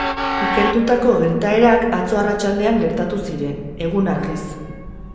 Ikertutako gertaerak atzo arratsaldean gertatu ziren, egun argiz.